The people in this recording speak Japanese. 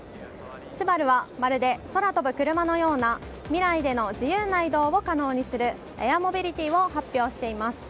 スバルはまるで空飛ぶ車のような未来での自由な移動を可能にするエアモビリティを発表しています。